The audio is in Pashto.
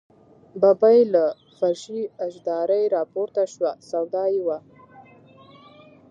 ببۍ له فرشي اشدارې راپورته شوه، سودا یې وه.